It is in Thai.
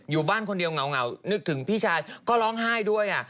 อยู่บ้านคนเดียวเหงานึกถึงพี่ชายก็ร้องไห้ด้วย